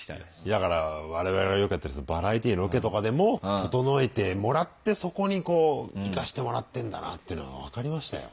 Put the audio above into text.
だから我々がよくやってるバラエティーのロケとかでも整えてもらってそこにこう行かしてもらってんだなっていうのが分かりましたよ。